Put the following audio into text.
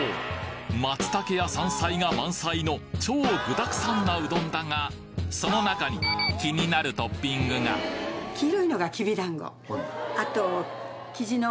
松茸や山菜が満載の超具だくさんなうどんだがその中に気になるトッピングがあと。